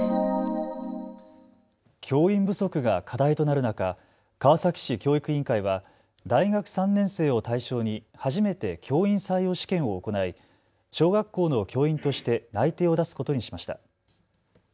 教員不足が課題となる中、川崎市教育委員会は大学３年生を対象に初めて教員採用試験を行い小学校の教員として内定を出すことにしました。